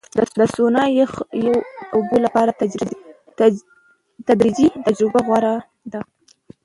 د سونا یا یخو اوبو لپاره تدریجي تجربه غوره ده.